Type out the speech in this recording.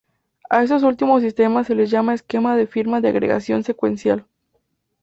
A estos últimos sistemas se les llama esquema de firma de agregación secuencial.